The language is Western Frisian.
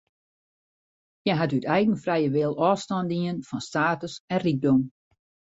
Hja hat út eigen frije wil ôfstân dien fan status en rykdom.